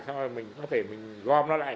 xong rồi mình có thể gom nó lại